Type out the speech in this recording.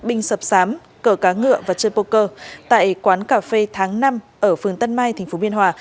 binh sập sám cờ cá ngựa và chơi poker tại quán cà phê tháng năm ở phường tân mai tp biên hòa